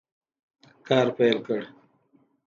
کار پیل کړ.